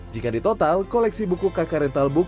jika di total koleksi buku kk rental book